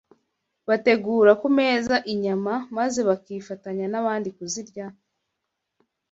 bategura ku meza inyama maze bakifatanya n’abandi kuzirya? …